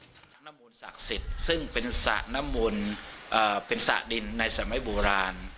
ศาลน้ำมนศักดิ์สิทธิ์ซึ่งเป็นศาลน้ำมนเป็นศาลดินในสมัยโบราณ